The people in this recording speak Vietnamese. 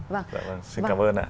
vâng xin cảm ơn ạ